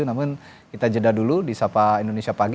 namun kita jeda dulu di sapa indonesia pagi